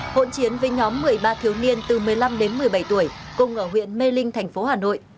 hộn chiến với nhóm một mươi ba thiếu niên từ một mươi năm đến một mươi bảy tuổi cùng ở huyện mê linh thành phố hà nội